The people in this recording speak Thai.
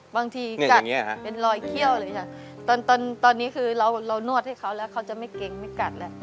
กัดเป็นรอยเขี้ยวเลยค่ะตอนนี้คือเรานวดให้เขาแล้วเขาจะไม่เกรงไม่กัดแล้ว